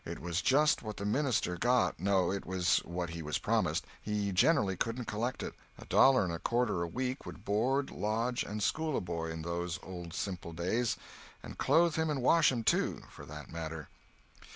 It was just what the minister got—no, it was what he was promised—he generally couldn't collect it. A dollar and a quarter a week would board, lodge, and school a boy in those old simple days—and clothe him and wash him, too, for that matter.